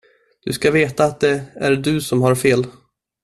Du ska veta att det är du som har fel.